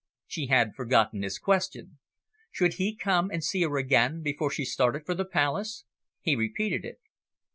She had forgotten his question should he come and see her again before she started for the Palace? He repeated it.